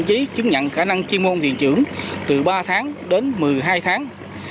với chứng nhận khả năng chi môn thiền trưởng từ ba tháng đến một mươi hai tháng